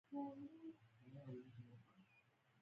الهي واکمن د اشرافو په مرسته پر ټولنې حکومت کاوه